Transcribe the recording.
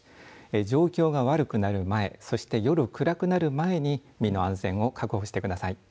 状況が悪くなる前そして夜暗くなる前に身の安全を確保してください。